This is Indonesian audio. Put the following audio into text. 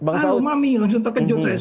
halo mami langsung terkejut saya surprise